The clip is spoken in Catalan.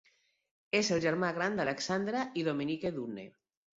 És el germà gran d'Alexandre i Dominique Dunne.